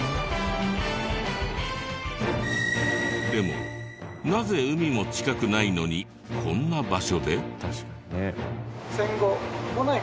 でもなぜ海も近くないのにこんな場所で？